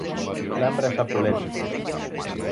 Lembra esa polémica.